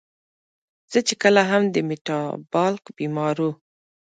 زۀ چې کله هم د ميټابالک بيمارو